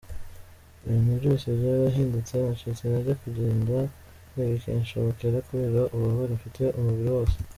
Ibintu byose byarahindutse, nacitse intege, kugenda ntibikinshobokera kubera ububabare mfite umubiri wose.